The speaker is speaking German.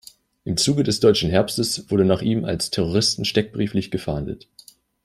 Im Zuge des Deutschen Herbstes wurde nach ihm als Terroristen steckbrieflich gefahndet.